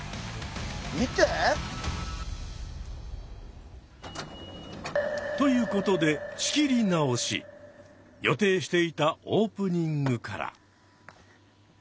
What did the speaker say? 見て。ということで予定していたオープニングから。